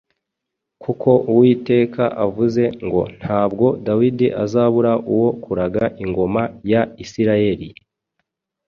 Kuko Uwiteka avuze ngo: ‘Ntabwo Dawidi azabura uwo kuraga ingoma ya Isirayeli;